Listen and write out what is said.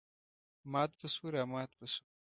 مات به شوو رامات به شوو.